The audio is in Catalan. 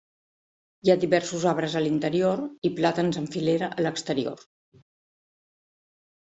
Hi ha diversos arbres a l'interior i plàtans en filera a l'exterior.